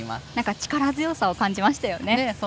力強さを感じましたよね。